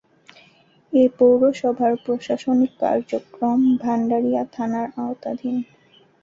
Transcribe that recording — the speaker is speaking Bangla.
এ পৌরসভার প্রশাসনিক কার্যক্রম ভান্ডারিয়া থানার আওতাধীন।